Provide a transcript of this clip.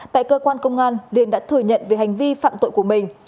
tại cơ quan công an liên đã thừa nhận về hành vi phạm tội của mình